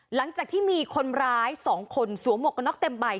หลังจากที่มีคนร้าย๒คนสวมหมวกกระน็อกเต็มใบ